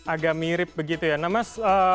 agak mirip begitu ya nah mas